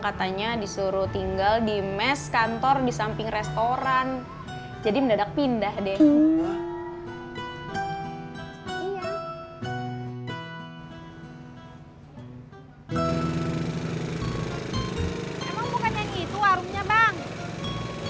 katanya disuruh tinggal di mes kantor di samping restoran jadi mendadak pindah deh